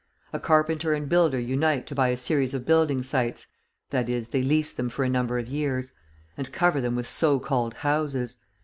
A carpenter and builder unite to buy a series of building sites (i.e., they lease them for a number of years), and cover them with so called houses.